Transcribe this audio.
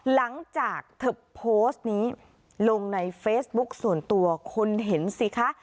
หลังจากเธอโพสต์นี้ลงในเฟซบุ๊คส่วนตัวคนเห็นสิคะ